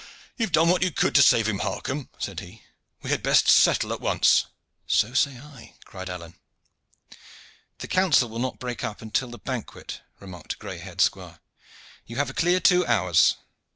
"You have done what you could to save him, Harcomb," said he. "We had best settle at once." "So say I," cried Alleyne. "The council will not break up until the banquet," remarked a gray haired squire. "You have a clear two hours."